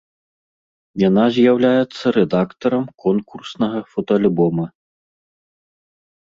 Яна з'яўляецца рэдактарам конкурснага фотаальбома.